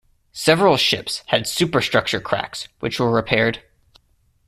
Several ships had superstructure cracks which were repaired.